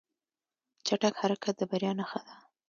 چټک حرکت د بریا نښه ده.